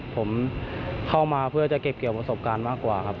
ผมเข้ามาเพื่อจะเก็บเกี่ยวประสบการณ์มากกว่าครับ